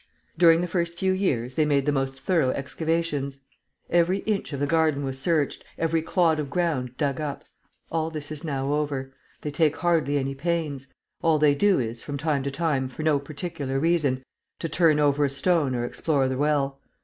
During the first few years they made the most thorough excavations. Every inch of the garden was searched, every clod of ground dug up. All this is now over. They take hardly any pains. All they do is, from time to time, for no particular reason, to turn over a stone or explore the well.